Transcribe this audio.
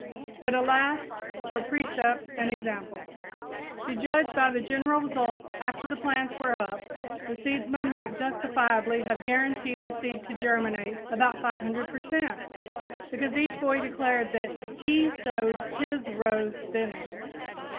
But, alas, for precept and example! To judge by the general result after the plants were up, the seedsman might justifiably have guaranteed the seed to germinate about 500 per cent, because each boy declared that he sowed his rows thinly.